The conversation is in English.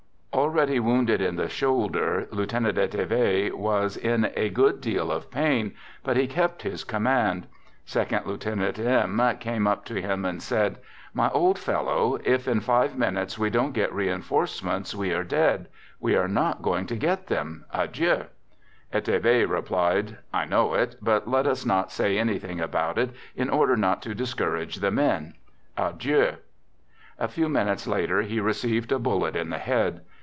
Already wounded in the shoulder, Lieutenant Eteve was in a good deal of pain, but he kept his command. Second lieu tenant M came up to him and said :" My old fellow, if in five minutes we don't get reinforce ments, we are dead. We are not going to get them. Adieu." Eteve replied :" I know it, but let us not say anything about it, in order not to discourage the men. Adieu." A few minutes later he received a bullet in the head.